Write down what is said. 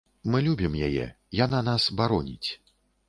Мы любім яе, яна нас бароніць.